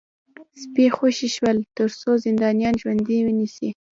سپي خوشي شول ترڅو زندانیان ژوندي ونیسي